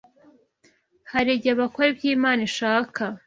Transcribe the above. Hari igihe bakora ibyo Imana ishaka